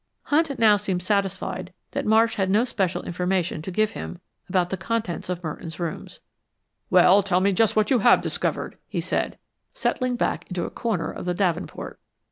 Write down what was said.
Hunt now seemed satisfied that Marsh had no special information to give him about the contents of Merton's rooms: "Well, tell me just what you have discovered," he said, settling back into a corner of the davenport.